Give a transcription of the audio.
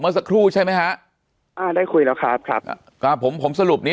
เมื่อสักครู่ใช่ไหมฮะได้คุยแล้วครับครับผมผมสรุปนิด